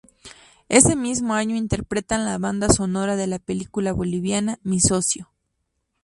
Ese mismo año interpretan la banda sonora de la película boliviana "Mi socio".